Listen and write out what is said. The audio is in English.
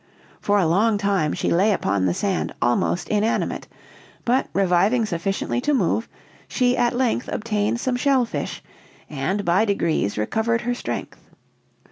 For a long time she lay upon the sand almost inanimate; but, reviving sufficiently to move, she at length obtained some shell fish, and by degrees recovered her strength.